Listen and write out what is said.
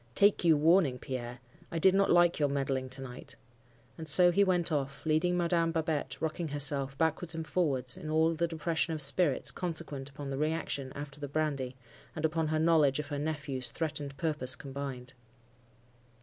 Take you warning, Pierre! I did not like your meddling to night.' And so he went off, leaving Madam Babette rocking herself backwards and forwards, in all the depression of spirits consequent upon the reaction after the brandy, and upon her knowledge of her nephew's threatened purpose combined.